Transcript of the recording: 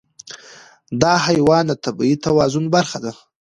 دا حیوان د طبیعي توازن برخه ده.